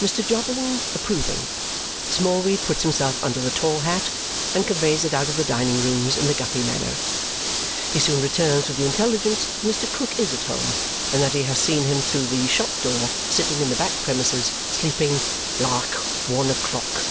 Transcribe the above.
Mr. Jobling approving, Smallweed puts himself under the tall hat and conveys it out of the dining rooms in the Guppy manner. He soon returns with the intelligence that Mr. Krook is at home and that he has seen him through the shop door, sitting in the back premises, sleeping "like one o'clock."